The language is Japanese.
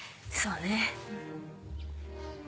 そうね。